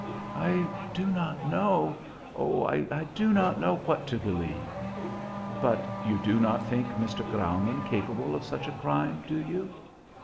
"I do not know oh, I do not know what to believe." "But you do not think Mr. Graumann capable of such a crime, do you?"